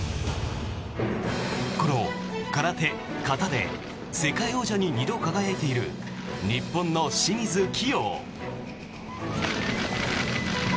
この空手形で世界王者に２度輝いている日本の清水希容。